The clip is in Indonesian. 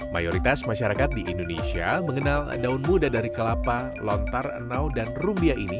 mayoritas masyarakat di indonesia mengenal daun muda dari kelapa lontar enau dan rumbia ini